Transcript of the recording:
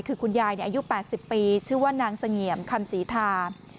คือคุณยายอายุ๘๐ปีชื่อว่านางเสงี่ยมคำศรีทา